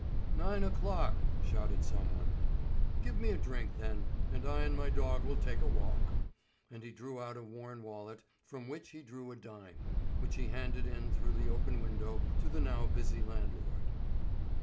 "Nine o'clock," shouted someone. "Give me a drink, then, and I and my dog will take a walk." And he drew out a worn wallet, from which he drew a dime, which he handed in through the open window to the now busy landlord.